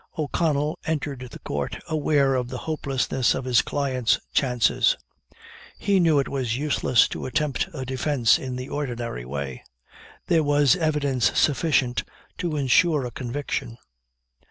O'Connell entered the Court aware of the hopelessness of his client's chances. He knew it was useless to attempt a defence in the ordinary way. There was evidence sufficient to ensure a conviction.